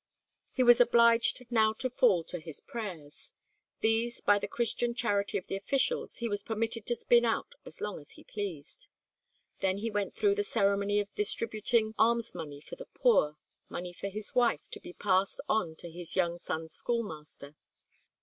He was obliged now to fall to his prayers. These, by the Christian charity of the officials, he was permitted to spin out as long as he pleased. Then he went through the ceremony of distributing alms money for the poor, money for his wife, to be passed on to his young son's schoolmaster.